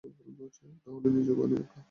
তাহলে নিজের বানিয়ে খা।